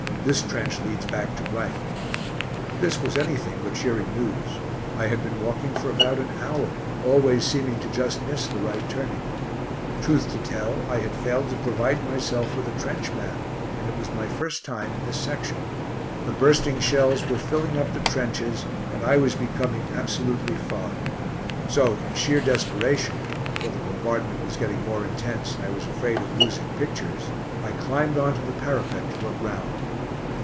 This trench leads back to ." This was anything but cheering news. I had been walking for about an hour, always seeming to just miss the right turning. Truth to tell I had failed to provide myself with a trench map, and it was my first time in this section. The bursting shells were filling up the trenches, and I was becoming absolutely fogged. So, in sheer desperation for the bombardment was getting more intense and I was afraid of losing pictures I climbed on to the parapet to look round.